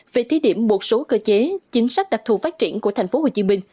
về thế điểm một số cơ chế chính sách đặc thù phát triển của tp hcm